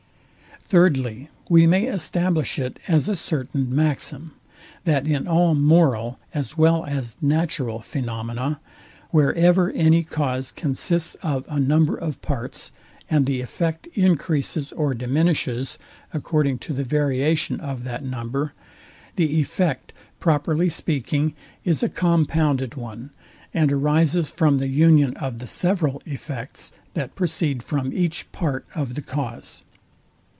Thirdly, We may establish it as a certain maxim, that in all moral as well as natural phaenomena, wherever any cause consists of a number of parts, and the effect encreases or diminishes, according to the variation of that number, the effects properly speaking, is a compounded one, and arises from the union of the several effects, that proceed from each part of the cause.